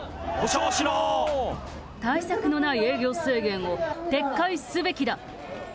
対策のない営業制限を撤回すべきだ！